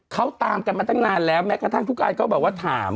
เขาตามกันมาตั้งนานแล้วแม้กระทั่งผู้การก็บอกว่าถาม